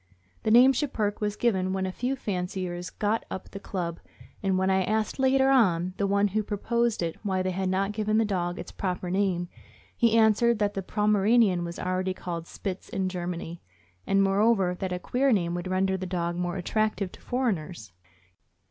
The name Schipperke was given when a few fanciers got up the club, and when I asked, later on, the one who proposed it why they had not given the dog its proper name, he answered that the Pomeranian was already called " Spitz " in Germany, and moreover that a queer name would render the dog more attractive to foreigners!